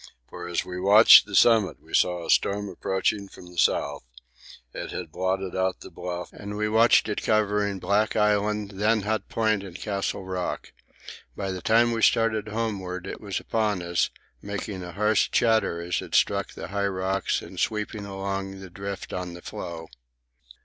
For as we reached the summit we saw a storm approaching from the south; it had blotted out the Bluff, and we watched it covering Black Island, then Hut Point and Castle Rock. By the time we started homeward it was upon us, making a harsh chatter as it struck the high rocks and sweeping along the drift on the floe.